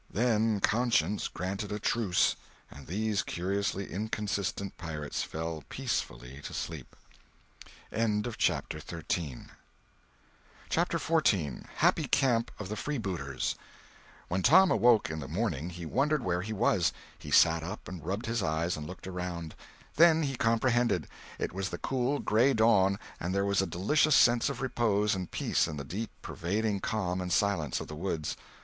Then conscience granted a truce, and these curiously inconsistent pirates fell peacefully to sleep. CHAPTER XIV WHEN Tom awoke in the morning, he wondered where he was. He sat up and rubbed his eyes and looked around. Then he comprehended. It was the cool gray dawn, and there was a delicious sense of repose and peace in the deep pervading calm and silence of the woods.